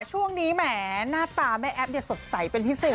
ช่วงนี้หน้าตาแม่แอ๊ปสดใสเป็นพิษศึก